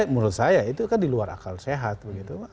menurut saya itu kan di luar akal sehat begitu